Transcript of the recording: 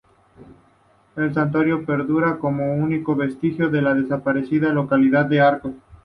El santuario perdura como único vestigio de la desaparecida localidad de Arcos.